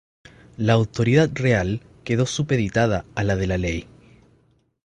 La autoridad real quedó supeditada a la de la ley.